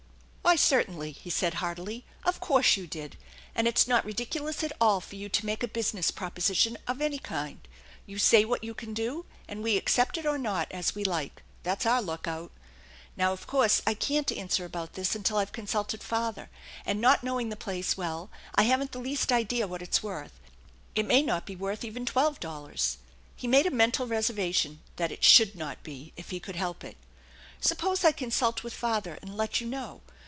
" Why, certainly," he said heartily. " Of course you did. And it's not ridiculous at all for you to make a business proposition of any kind. You say what you can do, and we accept it or not as we like. That's our lookout. Now of course I can't answer about this until I've consulted father; and, not knowing the place well, I haven't the least idea what it's worth; it may not be worth even twelve dollars." (He made a mental reservation that it should not be if he could help it.) " Suppose I consult with father and let you know.